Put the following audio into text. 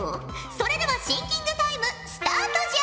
それではシンキングタイムスタートじゃ！